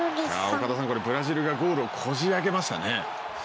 岡田さん、ブラジルがゴールをこじあけましたね。